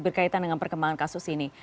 berkaitan dengan perkembangan kasus ini